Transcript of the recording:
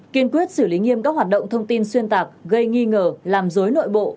kiên quyết xử lý nghiêm các hoạt động thông tin xuyên tạc gây nghi ngờ làm dối nội bộ